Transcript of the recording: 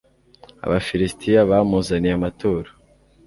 Abafilisitiya bamuzaniye amaturo